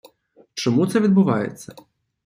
Чому це відбувається?